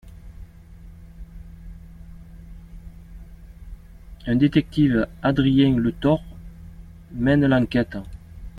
Un détective, Adrien Letort, mène l'enquête.